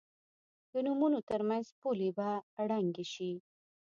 د نومونو تر منځ پولې به ړنګې شي.